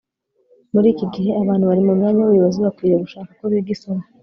muri iki gihe, abantu bari mu myanya y'ubuyobozi bakwiriye gushaka uko biga isomo